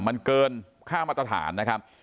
มันเกินค่ามาตรฐานนะครับ